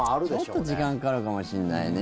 ちょっと時間かかるかもしれないね。